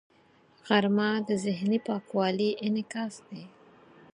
غرمه د ذهني پاکوالي انعکاس دی